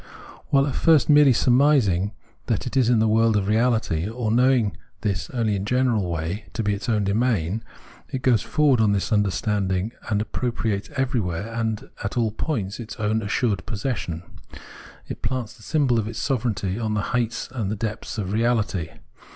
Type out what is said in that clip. While, at first, merely surmising that it is in the world of reahty, or knowing this only in a general way to be its own domain, it goes forward on this understanding * V, p. 95 ff. 233 234 Phenomenology of Mind and appropriates everywhere and at all points its own assured possession. It plants the symbol of its sove reignty on the heights and in the depths of reahty.